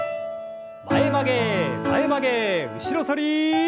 前曲げ前曲げ後ろ反り。